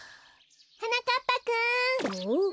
はなかっぱくん。